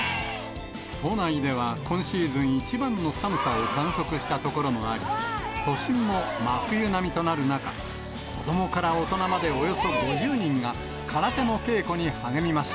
都内では今シーズン一番の寒さを観測した所もあり、都心も真冬並みとなる中、子どもから大人までおよそ５０人が空手の稽古に励みました。